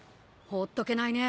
放っとけないね。